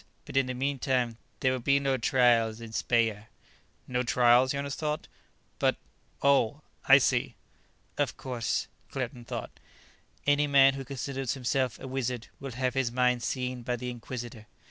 But in the meantime there will be no trials in Speyer." "No trials?" Jonas thought. "But ... oh. I see." "Of course," Claerten thought. "Any man who considers himself a wizard will have his mind seen by the Inquisitor.